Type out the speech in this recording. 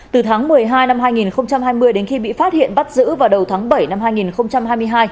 từ tháng một mươi hai năm hai nghìn hai mươi đến khi bị phát hiện bắt giữ vào đầu tháng bảy năm hai nghìn hai mươi hai